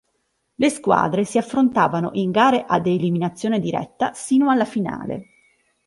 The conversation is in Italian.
Le squadre si affrontavano in gare ad eliminazione diretta sino alla finale.